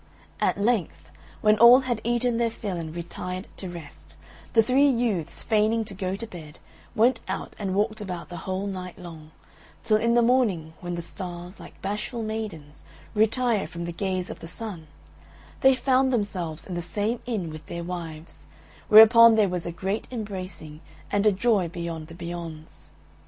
At length, when all had eaten their fill and retired to rest, the three youths, feigning to go to bed, went out and walked about the whole night long, till in the morning, when the Stars, like bashful maidens, retire from the gaze of the Sun, they found themselves in the same inn with their wives, whereupon there was a great embracing, and a joy beyond the beyonds.